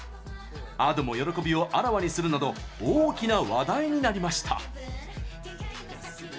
Ａｄｏも喜びをあらわにするなど大きな話題になりました。